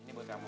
ini buat kamu